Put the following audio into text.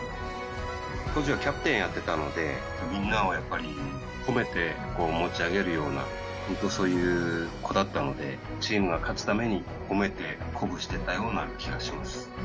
当時はキャプテンやってたので、みんなをやっぱり褒めて持ち上げるような、本当そういう子だったので、チームが勝つために褒めて鼓舞してたような気がします。